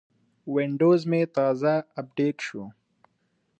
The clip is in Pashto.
وینډوز مې تازه اپډیټ شو.